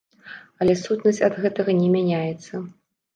Але сутнасць ад гэтага не мяняецца.